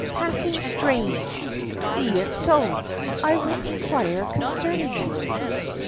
"Passing strange! Be it so. I will inquire concerning it."